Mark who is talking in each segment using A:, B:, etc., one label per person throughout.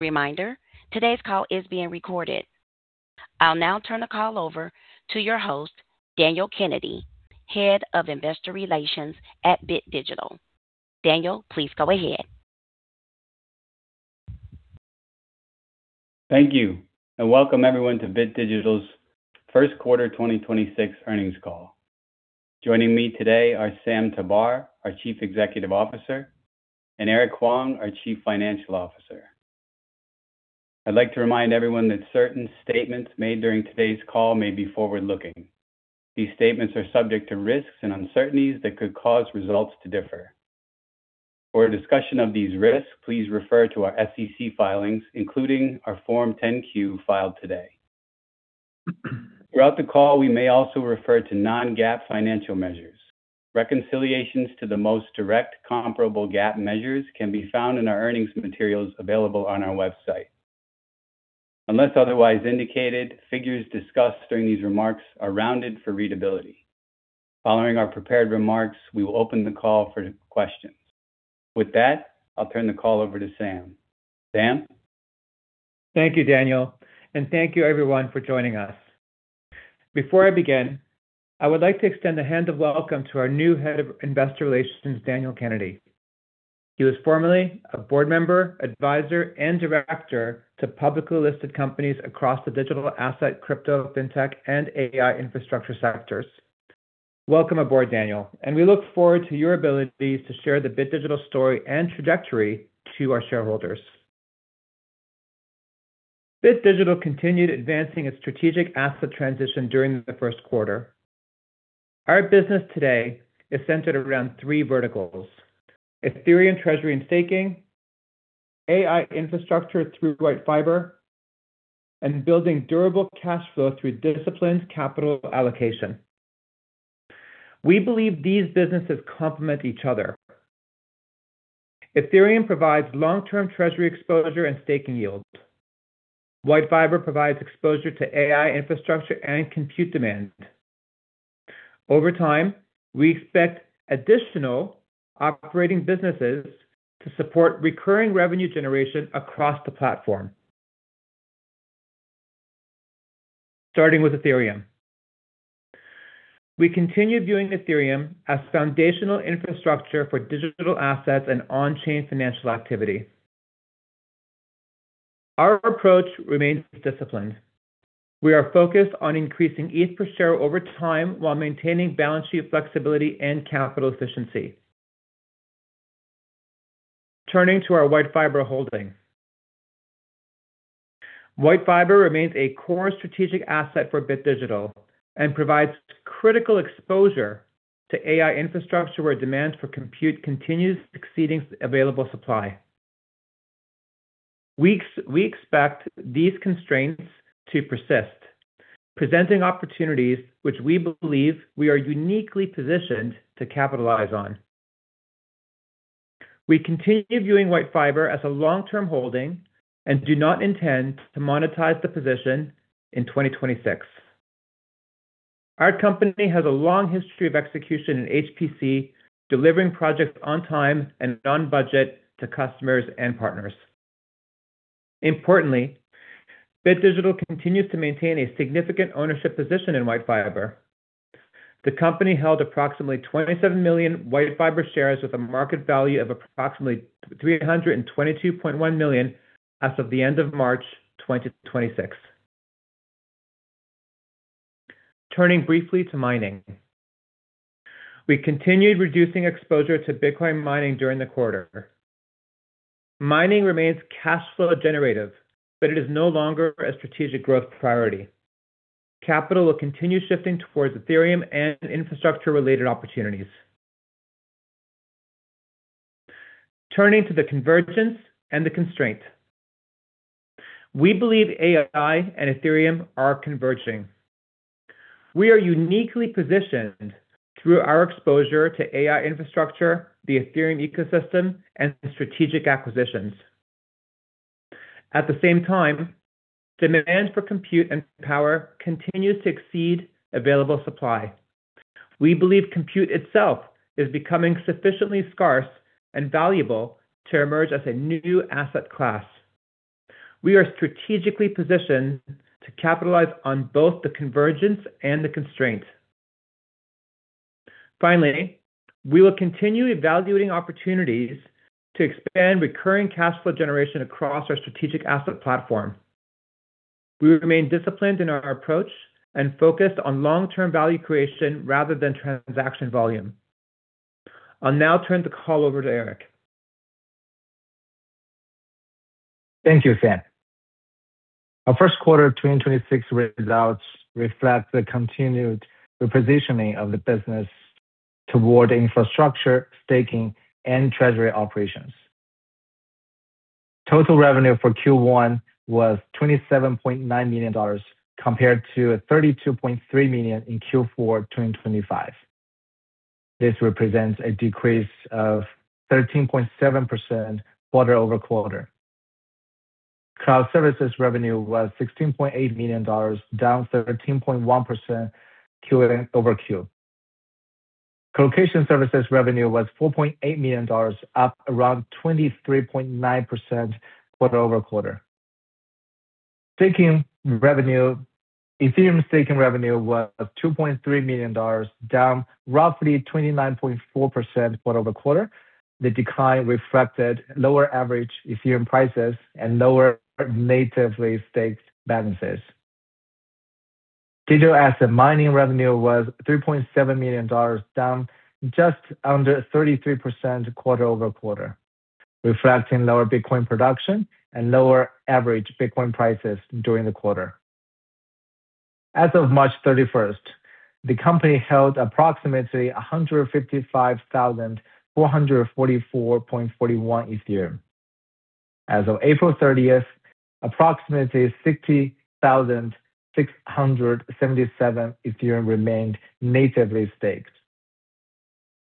A: Thank you, and welcome everyone to Bit Digital's first quarter 2026 earnings call. Joining me today are Samir Tabar, our Chief Executive Officer, and Erke Huang, our Chief Financial Officer. I'd like to remind everyone that certain statements made during today's call may be forward-looking. These statements are subject to risks and uncertainties that could cause results to differ. For a discussion of these risks, please refer to our SEC filings, including our Form 10-Q filed today. Throughout the call, we may also refer to non-GAAP financial measures. Reconciliations to the most direct comparable GAAP measures can be found in our earnings materials available on our website. Unless otherwise indicated, figures discussed during these remarks are rounded for readability. Following our prepared remarks, we will open the call for questions. With that, I'll turn the call over to Sam. Sam?
B: Thank you, Daniel, and thank you everyone for joining us. Before I begin, I would like to extend a hand of welcome to our new Head of Investor Relations, Daniel Kennedy. He was formerly a board member, advisor, and director to publicly listed companies across the digital asset, crypto, fintech, and AI infrastructure sectors. Welcome aboard, Daniel, and we look forward to your ability to share the Bit Digital story and trajectory to our shareholders. Bit Digital continued advancing its strategic asset transition during the first quarter. Our business today is centered around three verticals: Ethereum treasury and staking, AI infrastructure through WhiteFiber, and building durable cash flow through disciplined capital allocation. We believe these businesses complement each other. Ethereum provides long-term treasury exposure and staking yields. WhiteFiber provides exposure to AI infrastructure and compute demand. Over time, we expect additional operating businesses to support recurring revenue generation across the platform. Starting with Ethereum. We continue viewing Ethereum as foundational infrastructure for digital assets and on-chain financial activity. Our approach remains disciplined. We are focused on increasing ETH per share over time while maintaining balance sheet flexibility and capital efficiency. Turning to our WhiteFiber holding. WhiteFiber remains a core strategic asset for Bit Digital and provides critical exposure to AI infrastructure, where demand for compute continues exceeding available supply. We expect these constraints to persist, presenting opportunities which we believe we are uniquely positioned to capitalize on. We continue viewing WhiteFiber as a long-term holding and do not intend to monetize the position in 2026. Our company has a long history of execution in HPC, delivering projects on time and on budget to customers and partners. Importantly, Bit Digital continues to maintain a significant ownership position in WhiteFiber. The company held approximately 27 million WhiteFiber shares with a market value of approximately $322.1 million as of the end of March 2026. Turning briefly to mining. We continued reducing exposure to Bitcoin mining during the quarter. Mining remains cash flow generative. It is no longer a strategic growth priority. Capital will continue shifting towards Ethereum and infrastructure-related opportunities. Turning to the convergence and the constraint. We believe AI and Ethereum are converging. We are uniquely positioned through our exposure to AI infrastructure, the Ethereum ecosystem, and strategic acquisitions. At the same time, demand for compute and power continues to exceed available supply. We believe compute itself is becoming sufficiently scarce and valuable to emerge as a new asset class. We are strategically positioned to capitalize on both the convergence and the constraint. Finally, we will continue evaluating opportunities to expand recurring cash flow generation across our strategic asset platform. We remain disciplined in our approach and focused on long-term value creation rather than transaction volume. I'll now turn the call over to Erke.
C: Thank you, Sam. Our first quarter 2026 results reflect the continued repositioning of the business toward infrastructure, staking, and treasury operations. Total revenue for Q1 was $27.9 million compared to $32.3 million in Q4 2025. This represents a decrease of 13.7% quarter-over-quarter. Cloud services revenue was $16.8 million, down 13.1% Q-over-Q. Colocation services revenue was $4.8 million, up around 23.9% quarter-over-quarter. Staking revenue, Ethereum staking revenue was $2.3 million, down roughly 29.4% quarter-over-quarter. The decline reflected lower average Ethereum prices and lower natively staked balances. Digital asset mining revenue was $3.7 million, down just under 33% quarter-over-quarter, reflecting lower Bitcoin production and lower average Bitcoin prices during the quarter. As of March 31st, the company held approximately 155,444.41 Ethereum. As of April 30th, approximately 60,677 Ethereum remained natively staked.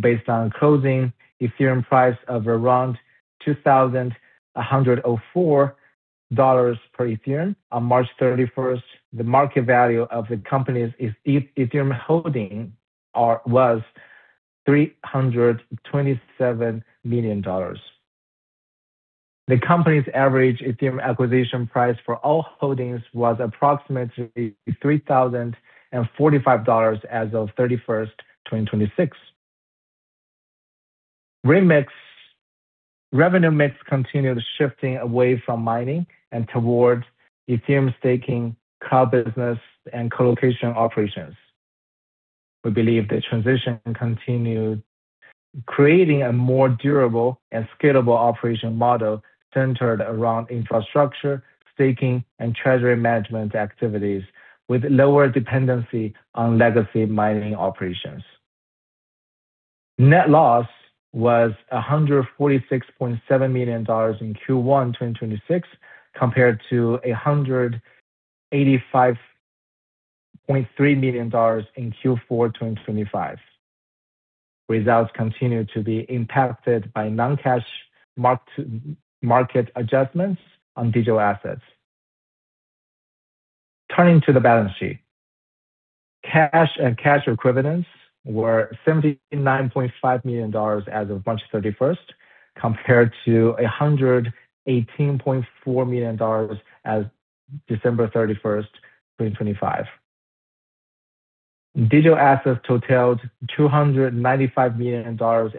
C: Based on closing Ethereum price of around $2,104 per Ethereum on March 31st, the market value of the company's Ethereum holding was $327 million. The company's average Ethereum acquisition price for all holdings was approximately $3,045 as of March 31st, 2026. Revenue mix continued shifting away from mining and towards Ethereum staking, cloud business, and colocation operations. We believe the transition continued creating a more durable and scalable operation model centered around infrastructure, staking, and treasury management activities with lower dependency on legacy mining operations. Net loss was $146.7 million in Q1 2026 compared to $185.3 million in Q4 2025. Results continue to be impacted by non-cash mark to market adjustments on digital assets. Turning to the balance sheet. Cash and cash equivalents were $79.5 million as of March 31st, compared to $118.4 million as December 31st, 2025. Digital assets totaled $295 million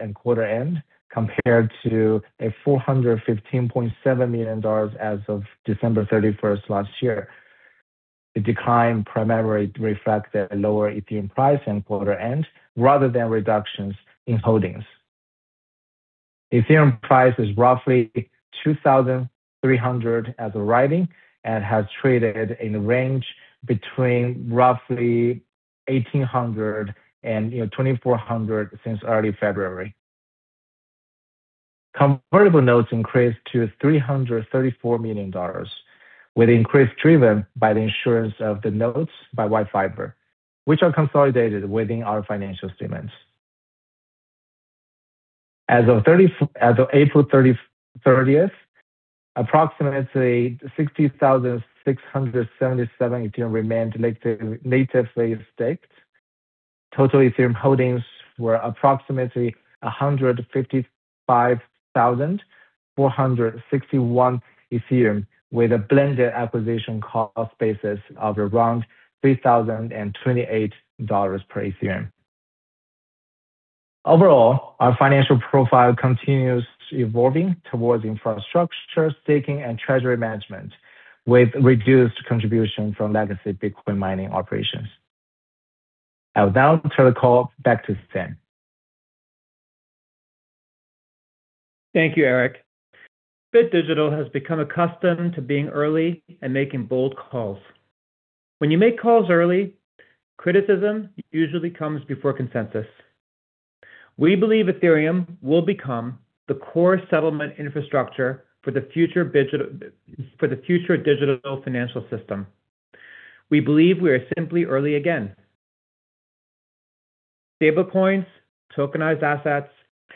C: in quarter end, compared to $415.7 million as of December 31st last year. The decline primarily reflected a lower Ethereum price in quarter end rather than reductions in holdings. Ethereum price is roughly $2,300 as of writing and has traded in the range between roughly $1,800 and, you know, $2,400 since early February. Convertible notes increased to $334 million, with increase driven by the issuance of the notes by WhiteFiber, which are consolidated within our financial statements. As of April 30th, approximately 60,677 Ethereum remained natively staked. Total Ethereum holdings were approximately 155,461 Ethereum with a blended acquisition cost basis of around $3,028 per Ethereum. Overall, our financial profile continues evolving towards infrastructure, staking, and treasury management, with reduced contribution from legacy Bitcoin mining operations. I will now turn the call back to Sam.
B: Thank you, Erke. Bit Digital has become accustomed to being early and making bold calls. When you make calls early, criticism usually comes before consensus. We believe Ethereum will become the core settlement infrastructure for the future digital financial system. We believe we are simply early again. Stable coins, tokenized assets,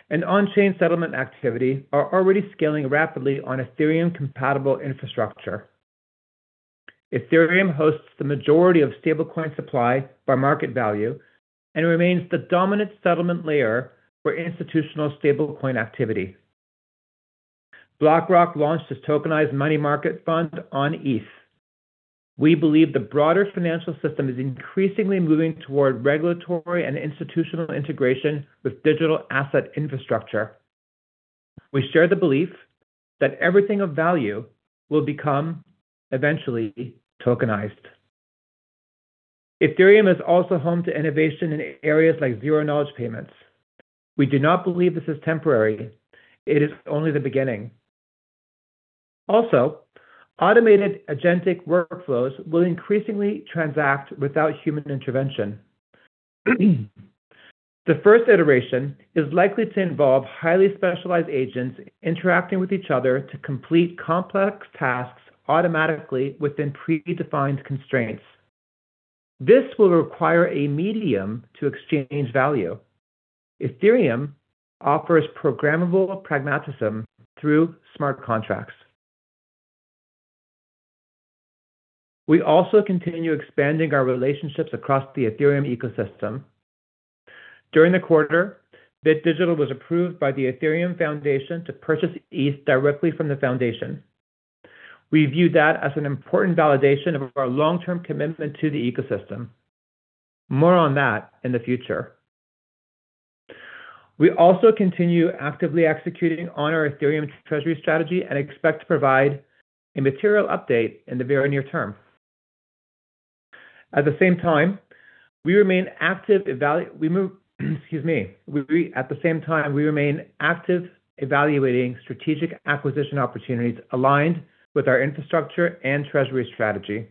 B: and on-chain settlement activity are already scaling rapidly on Ethereum-compatible infrastructure. Ethereum hosts the majority of stable coin supply by market value and remains the dominant settlement layer for institutional stable coin activity. BlackRock launched its tokenized money market fund on ETH. We believe the broader financial system is increasingly moving toward regulatory and institutional integration with digital asset infrastructure. We share the belief that everything of value will become eventually tokenized. Ethereum is also home to innovation in areas like zero-knowledge payments. We do not believe this is temporary. It is only the beginning. Also, automated agentic workflows will increasingly transact without human intervention. The first iteration is likely to involve highly specialized agents interacting with each other to complete complex tasks automatically within predefined constraints. This will require a medium to exchange value. Ethereum offers programmable pragmatism through smart contracts. We also continue expanding our relationships across the Ethereum ecosystem. During the quarter, Bit Digital was approved by the Ethereum Foundation to purchase ETH directly from the foundation. We view that as an important validation of our long-term commitment to the ecosystem. More on that in the future. We also continue actively executing on our Ethereum treasury strategy and expect to provide a material update in the very near term. At the same time, we remain active evaluating strategic acquisition opportunities aligned with our infrastructure and treasury strategy.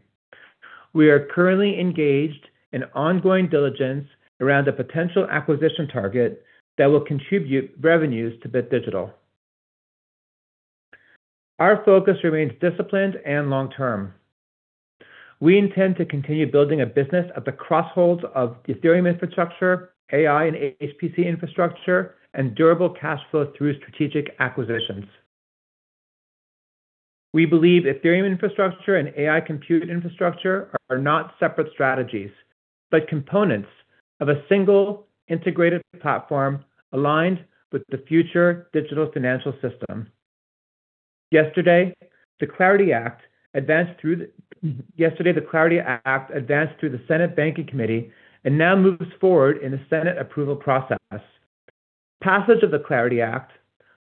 B: We are currently engaged in ongoing diligence around a potential acquisition target that will contribute revenues to Bit Digital. Our focus remains disciplined and long-term. We intend to continue building a business at the crossroads of Ethereum infrastructure, AI and HPC infrastructure, and durable cash flow through strategic acquisitions. We believe Ethereum infrastructure and AI compute infrastructure are not separate strategies, but components of a single integrated platform aligned with the future digital financial system. Yesterday, the Clarity Act advanced through the Senate Banking Committee and now moves forward in the Senate approval process. Passage of the Clarity Act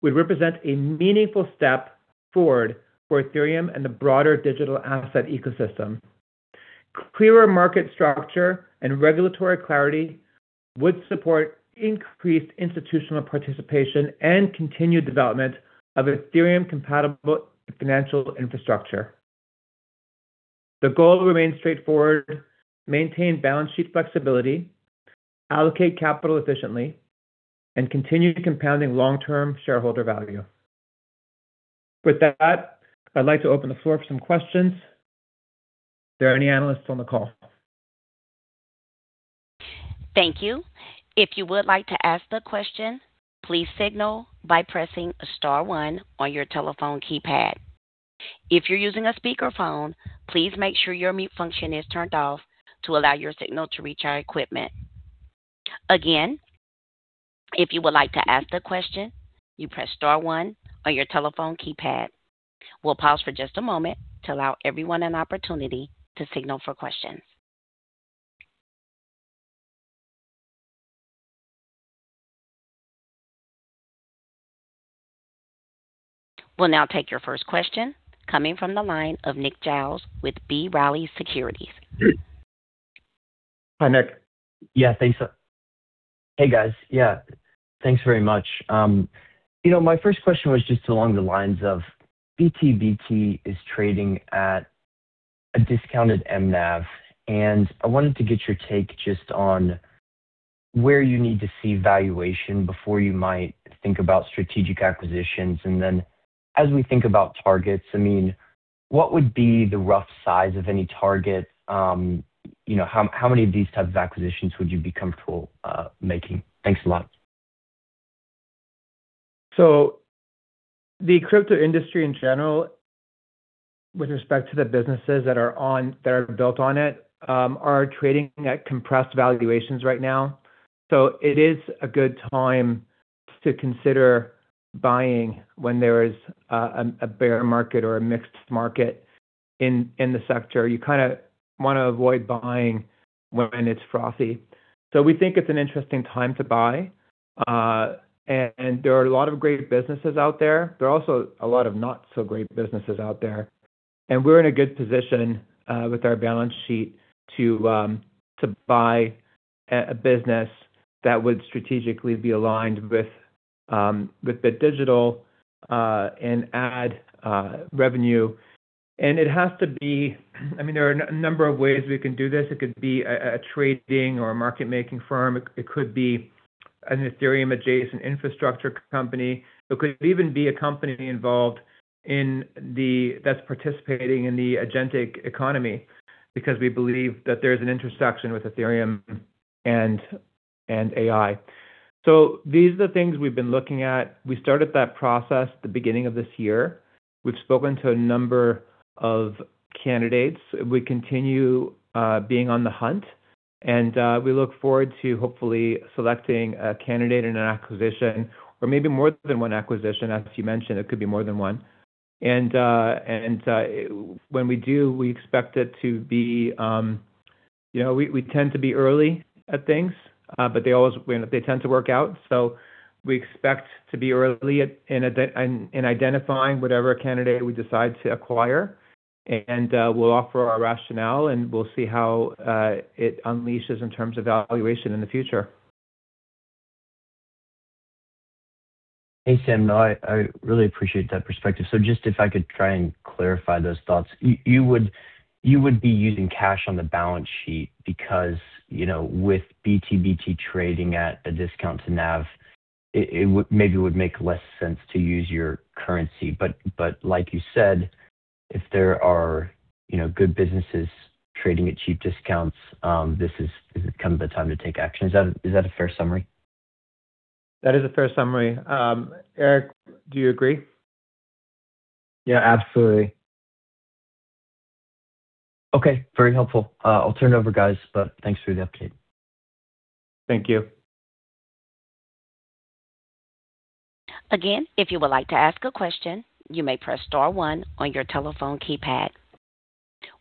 B: would represent a meaningful step forward for Ethereum and the broader digital asset ecosystem. Clearer market structure and regulatory clarity would support increased institutional participation and continued development of Ethereum-compatible financial infrastructure. The goal remains straightforward: maintain balance sheet flexibility, allocate capital efficiently, and continue compounding long-term shareholder value. With that, I'd like to open the floor for some questions. Are there any analysts on the call?
D: Thank you. If you would like to ask a question, please signal by pressing star one on your telephone keypad. If you're using a speakerphone, please make sure your mute function is turned off to allow your signal to reach our equipment. Again, if you would like to ask a question, you press star one on your telephone keypad. We will pause for just a moment to allow everyone an opportunity to signal for questions. We will now take your first question coming from the line of Nick Giles with B. Riley Securities.
B: Hi, Nick.
E: Yeah. Thanks. Hey, guys. Yeah. Thanks very much. You know, my first question was just along the lines of BTBT is trading at a discounted MNAV, and I wanted to get your take just on where you need to see valuation before you might think about strategic acquisitions. As we think about targets, I mean, what would be the rough size of any target? You know, how many of these types of acquisitions would you be comfortable making? Thanks a lot.
B: The crypto industry in general, with respect to the businesses that are built on it, are trading at compressed valuations right now. It is a good time to consider buying when there is a bear market or a mixed market in the sector. You kinda wanna avoid buying when it's frothy. We think it's an interesting time to buy, and there are a lot of great businesses out there. There are also a lot of not so great businesses out there, and we're in a good position with our balance sheet to buy a business that would strategically be aligned with Bit Digital and add revenue. I mean, there are a number of ways we can do this. It could be a trading or a market-making firm. It could be an Ethereum-adjacent infrastructure company. It could even be a company involved in that's participating in the agentic economy because we believe that there's an intersection with Ethereum and AI. These are the things we've been looking at. We started that process at the beginning of this year. We've spoken to a number of candidates. We continue being on the hunt, and we look forward to hopefully selecting a candidate in an acquisition or maybe more than one acquisition. As you mentioned, it could be more than one. When we do, we expect it to be, You know, we tend to be early at things, but they always tend to work out. We expect to be early in identifying whatever candidate we decide to acquire. We'll offer our rationale, and we'll see how it unleashes in terms of valuation in the future.
E: Hey, Sam. I really appreciate that perspective. Just if I could try and clarify those thoughts. You would be using cash on the balance sheet because, you know, with BTBT trading at a discount to NAV, it would maybe make less sense to use your currency. Like you said, if there are, you know, good businesses trading at cheap discounts, this is kind of the time to take action. Is that a fair summary?
B: That is a fair summary. Erke, do you agree?
C: Yeah, absolutely.
E: Okay. Very helpful. I'll turn it over, guys, but thanks for the update.
B: Thank you.
D: Again, if you would like to ask a question, you may press star one on your telephone keypad.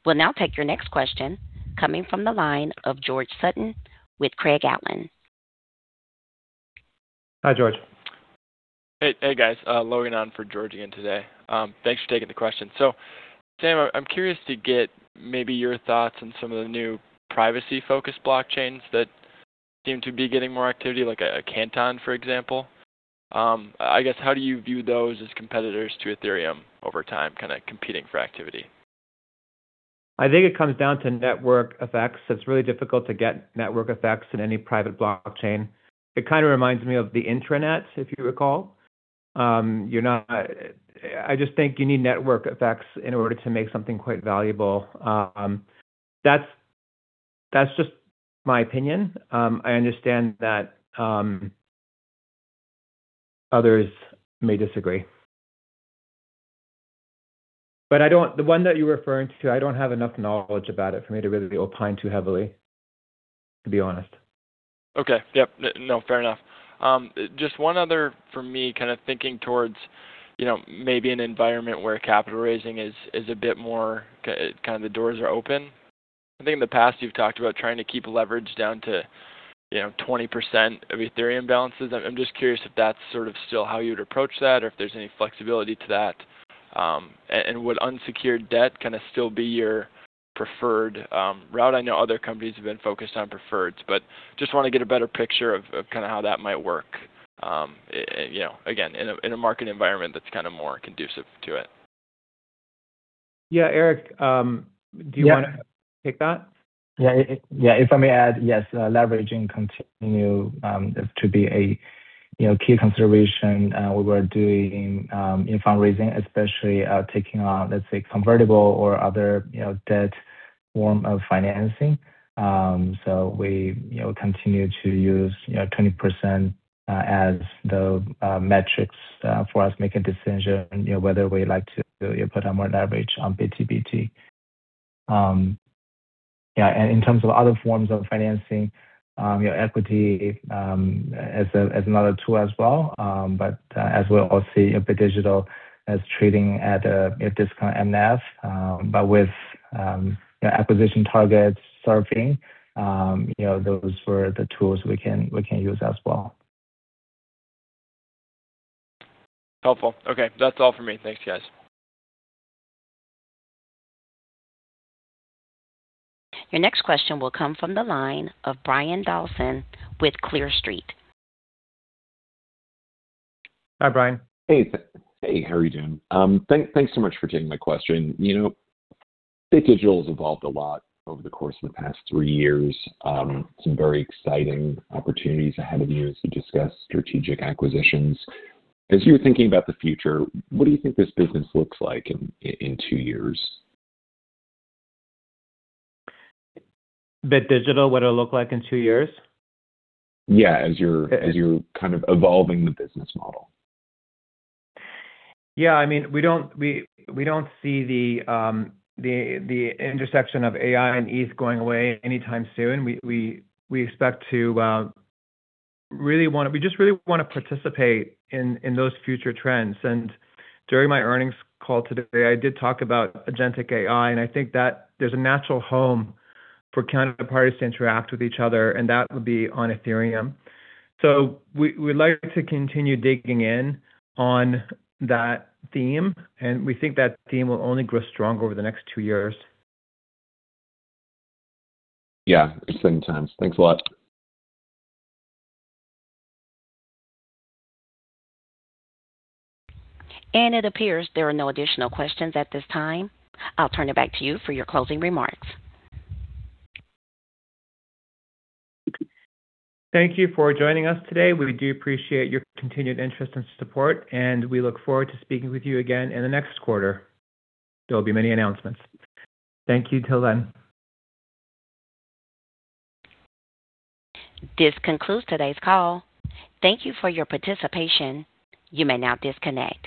D: We'll now take your next question coming from the line of George Sutton with Craig-Hallum.
B: Hi, George.
F: Hey, hey guys. logging on for George again today. thanks for taking the question. Sam, I'm curious to get maybe your thoughts on some of the new privacy-focused blockchains that seem to be getting more activity like Canton, for example. I guess how do you view those as competitors to Ethereum over time kind of competing for activity?
B: I think it comes down to network effects. It's really difficult to get network effects in any private blockchain. It kind of reminds me of the intranet, if you recall. I just think you need network effects in order to make something quite valuable. That's just my opinion. I understand that others may disagree. I don't have enough knowledge about it for me to really opine too heavily, to be honest.
F: Okay. Yep. No, fair enough. Just one other for me kind of thinking towards, you know, maybe an environment where capital raising is a bit more kind of the doors are open. I think in the past you've talked about trying to keep leverage down to, you know, 20% of Ethereum balances. I'm just curious if that's sort of still how you would approach that or if there's any flexibility to that. And, and would unsecured debt kinda still be your preferred route? I know other companies have been focused on preferreds, but just wanna get a better picture of kinda how that might work, you know, again, in a market environment that's kinda more conducive to it.
B: Yeah. Erke, do you wanna take that?
C: Yeah. Yeah. If I may add, yes, leveraging continue to be a, you know, key consideration, we were doing in fundraising, especially taking on, let's say, convertible or other, you know, debt form of financing. We, you know, continue to use, you know, 20% as the metrics for us making decision, you know, whether we like to put on more leverage on BTBT. Yeah, in terms of other forms of financing, you know, equity as another tool as well. As we all see Bit Digital as trading at a discount MNAV, with acquisition targets surfacing, you know, those were the tools we can use as well.
G: Helpful. Okay. That's all for me. Thanks, guys.
D: Your next question will come from the line of Brian Dobson with Clear Street.
B: Hi, Brian.
H: Hey. Hey, how are you doing? Thanks so much for taking my question. You know, Bit Digital's evolved a lot over the course of the past three years. Some very exciting opportunities ahead of you as we discuss strategic acquisitions. As you're thinking about the future, what do you think this business looks like in two years?
B: Bit Digital, what it'll look like in two years?
H: Yeah, as you're kind of evolving the business model.
B: Yeah, I mean, we don't see the intersection of AI and Eth going away anytime soon. We expect to just really wanna participate in those future trends. During my earnings call today, I did talk about agentic AI, and I think that there's a natural home for counterparties to interact with each other, and that would be on Ethereum. We'd like to continue digging in on that theme, and we think that theme will only grow stronger over the next two years.
H: Yeah, exciting times. Thanks a lot.
D: It appears there are no additional questions at this time. I'll turn it back to you for your closing remarks.
B: Thank you for joining us today. We do appreciate your continued interest and support, and we look forward to speaking with you again in the next quarter. There will be many announcements. Thank you. Till then.
D: This concludes today's call. Thank Thank you for your participation. You may now disconnect.